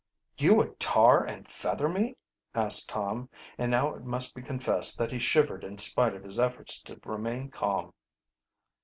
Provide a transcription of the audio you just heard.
"You would tar and feather me?" asked Tom, and now it must be confessed that he shivered in spite of his efforts to remain calm.